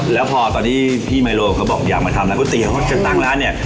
แล้วพอตอนที่พี่ไมโลเขาบอกอยากมาทำร้านก๋วยเตี๋ยวเขาจะตั้งร้านเนี่ย